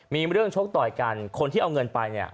มีเรื่องชกต่อยกันคนที่เอาเงินไปเนี่ย